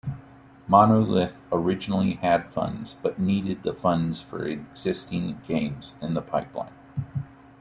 Monolith originally had funds, but needed the funds for existing games in the pipeline.